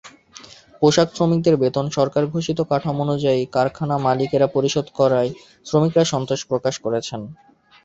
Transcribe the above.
পোশাকশ্রমিকদের বেতন সরকার-ঘোষিত কাঠামো অনুযায়ী কারখানার মালিকেরা পরিশোধ করায় শ্রমিকেরা সন্তোষ প্রকাশ করেছেন।